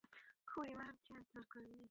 তুমি যেভাবে চাও, ঠিক সেভাবে তৈরি করবে।